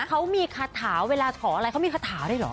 เขามีคาถาเวลาขออะไรเขามีคาถาด้วยเหรอ